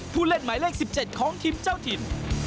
ผู้เล่นหมายเลข๑๗ของทีมเจ้าถิ่น